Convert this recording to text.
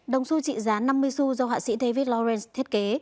đồng xu trị giá năm mươi xu do họa sĩ david lawrence thiết kế